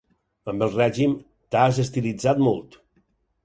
Amb el règim, t'has estilitzat molt.